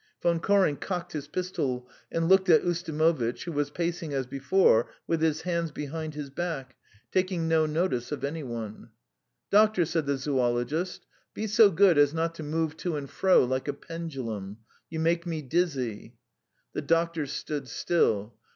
Von Koren cocked his pistol and looked at Ustimovitch, who was pacing as before with his hands behind his back, taking no notice of any one. "Doctor," said the zoologist, "be so good as not to move to and fro like a pendulum. You make me dizzy." The doctor stood still.